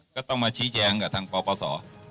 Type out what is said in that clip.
ก็ต้องมาชี้แจงกับทางปปศ